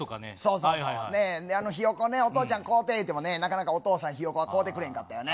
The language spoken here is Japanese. そう、あのひよこね、お父ちゃん、こうて言うても、なかなかお父さんひよこは買うてくれへんかったよね。